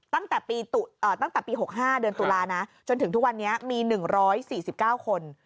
ตั้งแต่ปี๖๕เดือนตุลานะจนถึงทุกวันนี้มี๑๔๙คน